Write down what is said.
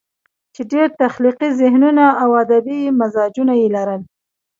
چې ډېر تخليقي ذهنونه او ادبي مزاجونه ئې لرل